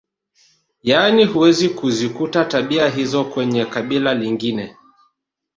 Yaani huwezi kuzikuta tabia hizo kwenye kabila lingine